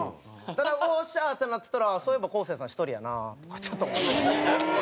ただよっしゃー！ってなってたらそういえば昴生さん１人やなとかちょっと思って。